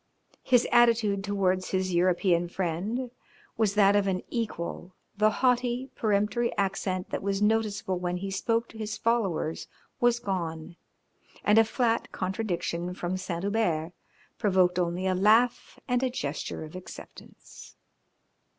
His attitude towards his European friend was that of an equal, the haughty, peremptory accent that was noticeable when he spoke to his followers was gone, and a flat contradiction from Saint Hubert provoked only a laugh and a gesture of acceptance.